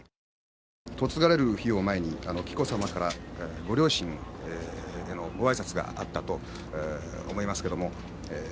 嫁がれる日を前に、紀子さまからご両親へのごあいさつがあったと思いますけれども。